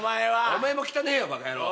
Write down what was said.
お前も汚えよバカヤロー！